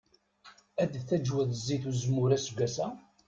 Ad d-taǧwew zzit n uzemmur aseggas-a?